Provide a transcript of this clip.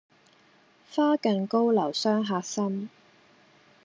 花近高樓傷客心，